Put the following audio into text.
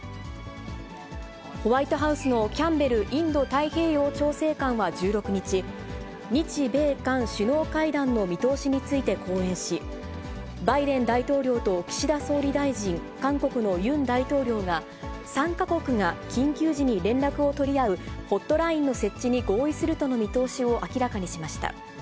ホワイトハウスのキャンベルインド太平洋調整官は１６日、日米韓首脳会談の見通しについて講演し、バイデン大統領と岸田総理大臣、韓国のユン大統領が、３か国が緊急時に連絡を取り合うホットラインの設置に合意するとの見通しを明らかにしました。